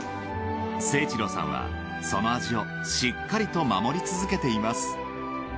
誠一郎さんはその味をしっかりと守り続けています。